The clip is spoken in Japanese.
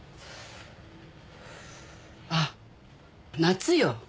あっ夏よ。